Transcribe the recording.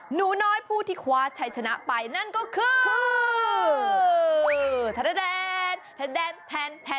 หนูน้อยผู้ที่คว้าชัยชนะไปนั่นก็คือ